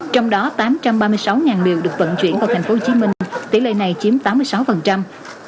trong đó tám trăm ba mươi sáu liều được vận chuyển vào tp hcm tỷ lệ này chiếm tám mươi sáu